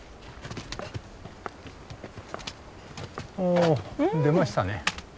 おお出ましたね